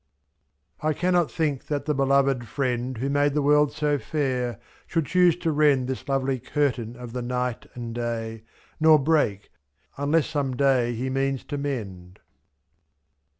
I cannot think that the Beloved Friend, Who made the world so fair, should choose to rend loiT This lovely curtain of the night and day. Nor break — unless some day He means to mend.